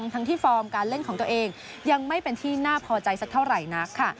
ทั้งที่ฟอร์มการเล่นของตัวเองยังไม่เป็นที่น่าพอใจสักเท่าไหร่นักค่ะ